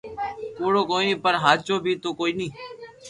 ڪوڙو ڪوئي پر ھاچو بي تو ڪوئي ني